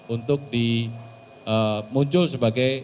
untuk di muncul sebagai